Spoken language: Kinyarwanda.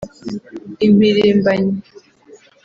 Impirimbanyi